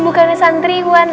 bukan santri wan